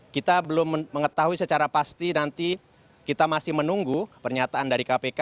kita belum mengetahui secara pasti nanti kita masih menunggu pernyataan dari kpk